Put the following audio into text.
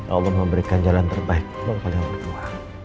allah memberikan jalan terbaik untuk kalian berdua